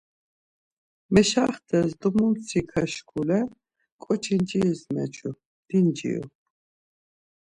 Meşaxtes do mu mtsika şkule ǩoçi nciris meçu, dinciru.